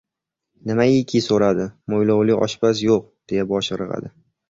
Nimaiki so‘radi, mo‘ylovli oshpaz yo‘q, deya bosh irg‘adi.